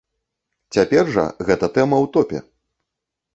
Цяпер жа гэта тэма ў топе.